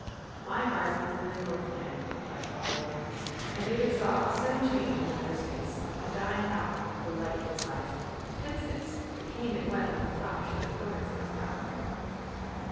"My heart is in the Northland," replied Father Roland, and David saw a sudden change in the other's face, a dying out of the light in his eyes, a tenseness that came and went like a flash at the corners of his mouth.